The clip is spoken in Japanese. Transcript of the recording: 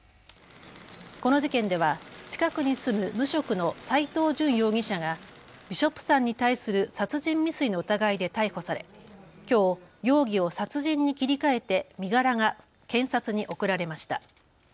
この事件では近くに住む無職の斎藤淳容疑者がビショップさんに対する殺人未遂の疑いで逮捕されきょう容疑を殺人に切り替えて身柄が検察に送られました。